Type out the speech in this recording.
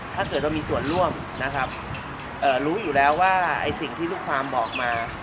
ถ้าเกิดเรามีส่วนร่วมนะครับรู้อยู่แล้วว่าไอ้สิ่งที่ลูกความบอกมา